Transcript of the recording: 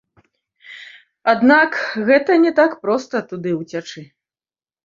Аднак гэта не так проста туды ўцячы.